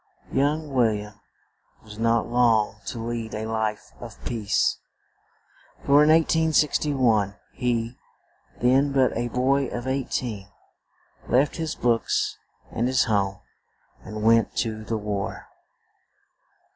Young Wil liam was not long to lead a life of peace; for in 1861 he, then but a boy of eight een, left his books and his home, and went to the war.